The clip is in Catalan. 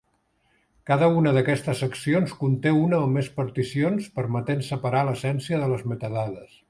Cada una d'aquestes seccions conté una o més particions, permetent separar l'essència de les metadades.